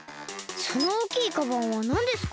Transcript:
そのおおきいカバンはなんですか？